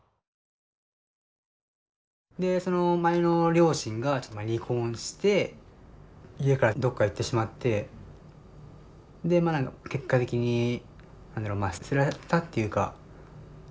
でその前の両親が離婚して家からどっか行ってしまってでまあ結果的に何だろう捨てられたっていうか。